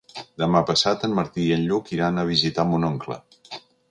Demà passat en Martí i en Lluc iran a visitar mon oncle.